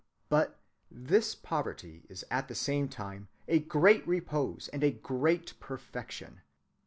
But this poverty is at the same time a great repose and a great perfection.